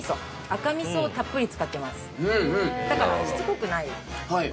赤味噌をたっぷり使ってますだからしつこくないでしょ。